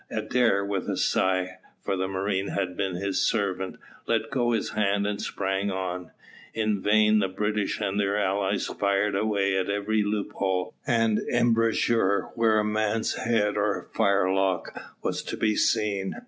Adair with a sigh, for the marine had been his servant, let go his hand and sprang on. In vain the British and their allies fired away at every loophole and embrasure where a man's head or firelock was to be seen.